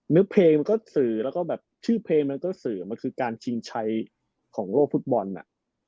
เนื้อเพลงมันก็สื่อแล้วก็แบบชื่อเพลงมันก็สื่อมันคือการชิงชัยของโลกฟุตบอลน่ะ